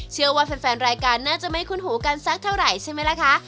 เชื่อว่าแฟนรายการน่าจะไม่คุ้นหูกันสักเท่าไหร่ใช่ไหมล่ะคะ